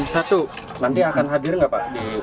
satu nanti akan hadir nggak pak